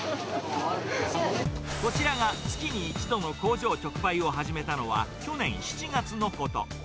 こちらが月に１度の工場直売を始めたのは、去年７月のこと。